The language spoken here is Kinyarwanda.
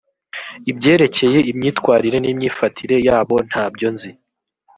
ibyerekeye imyitwarire nimyifatire yabo ntabyonzi.